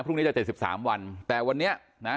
พรุ่งเนี้ยจะเจ็ดสิบสามวันแต่วันนี้นะ